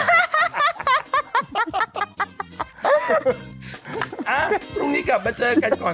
พรุ่งนี้กลับมาเจอกันก่อน